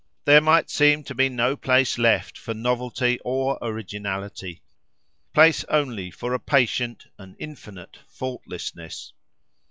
There might seem to be no place left for novelty or originality,—place only for a patient, an infinite, faultlessness.